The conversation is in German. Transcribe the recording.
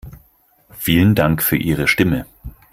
Vielen Dank für Ihre Stimme.